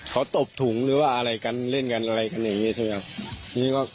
คือก็